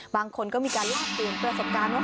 บางคนก็มีการแลกเปลี่ยนประสบการณ์ว่า